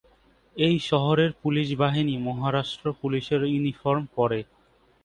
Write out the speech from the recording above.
এই শহরের পুলিশ বাহিনী মহারাষ্ট্র পুলিশের ইউনিফর্ম পরে।